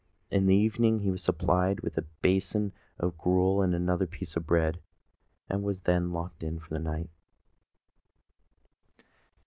In the evening he was supplied with a basin of gruel and another piece of bread, and was then locked in for the night.